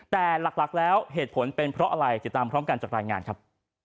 แต่หลักแล้วเหตุผลเป็นเพราะอะไรติดตามพร้อมกันจากรายงานครับ